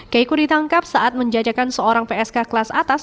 keiko ditangkap saat menjajakan seorang psk kelas atas